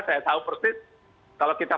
saya tahu persis kalau kita